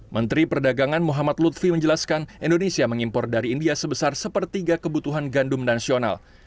menteri perdagangan muhammad lutfi menjelaskan indonesia mengimpor dari india sebesar sepertiga kebutuhan gandum nasional